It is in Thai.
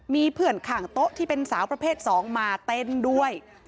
มีเพื่อนข้างโต๊ะที่เป็นสาวประเภท๒มาเต้นด้วย